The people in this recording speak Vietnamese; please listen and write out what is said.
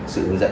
sự hướng dẫn